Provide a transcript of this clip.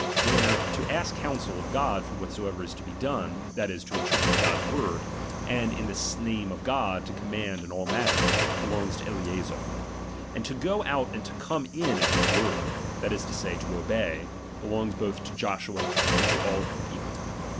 Where to ask counsel of God for what soever is to be done, that is, to interpret God's word, aud in the name of God to command in all matters, belongs to Eleazar ; and to go out and to come in at his word, that is to say, to obey, belongs both to Joshua and to all the people.